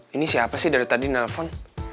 ini siapa sih dari tadi nelfon